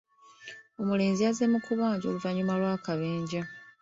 Omulenzi yazze mu kubajja oluvannyuma lw'akabenje.